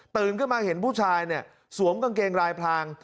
ตื่นขึ้นมาเห็นผู้ชายสวมกางเกงรายพลาง